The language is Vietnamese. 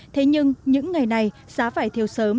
thế nhưng những ngày này giá vải thiếu sớm